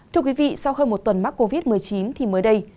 thưa quý vị sau hơn một tuần mắc covid một mươi chín thì mới đây